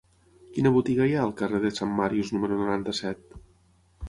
Quina botiga hi ha al carrer de Sant Màrius número noranta-set?